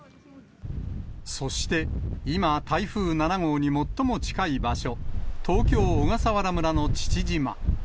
そして、今、台風７号に最も近い場所、東京・小笠原村の父島。